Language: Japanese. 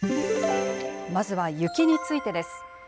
まずは雪についてです。